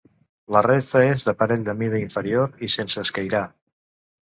La resta és d'aparell de mida inferior i sense escairar.